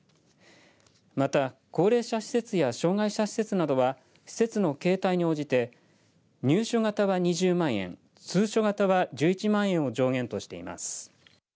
また、高齢者施設や障害者施設などは施設の形態に応じて入所型は２０万円通所型は１１万円を上限としています。